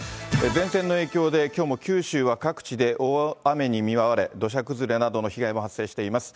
前線の影響で、きょうも九州は各地で大雨に見舞われ、土砂崩れなどの被害も発生しています。